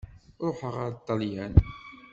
Ṛuḥeɣ ar Ṭelyan.